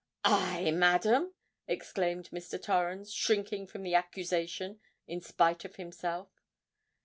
"I—madam!" exclaimed Mr. Torrens, shrinking from the accusation in spite of himself.